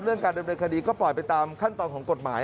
เรื่องการเดินเป็นคดีก็ปล่อยไปตามขั้นตอนของกฎหมาย